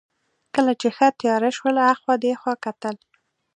کله چې ښه تېاره شول، اخوا دېخوا کتل.